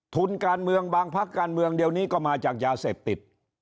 ทุนการเมืองบางพักการเมืองเดี๋ยวนี้ก็มาจากยาเสพติด